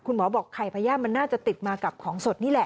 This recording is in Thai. หมอบอกไข่พญาติมันน่าจะติดมากับของสดนี่แหละ